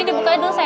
ini dibuka dulu say